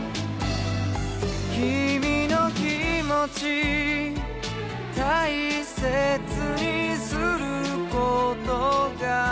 「君の気持ち大切にすることが」